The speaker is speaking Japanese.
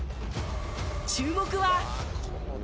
注目は。